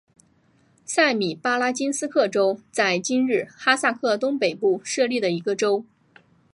塞米巴拉金斯克州在今日哈萨克东北部设立的一个州。